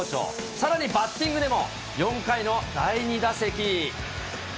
さらにバッティングでも、４回の第２打席。